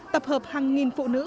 tập hợp hàng nghìn phụ nữ